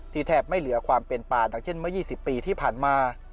แทบไม่เหลือความเป็นป่าดังเช่นเมื่อ๒๐ปีที่ผ่านมา